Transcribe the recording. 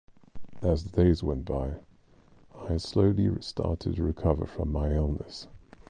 As the days went by, I slowly started to recover from my illness.